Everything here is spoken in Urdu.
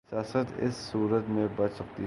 سیاست اسی صورت میں بچ سکتی ہے۔